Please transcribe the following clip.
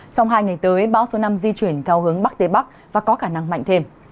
trong hai ngày tới bão số năm di chuyển theo hướng bắc tây bắc và có khả năng mạnh thêm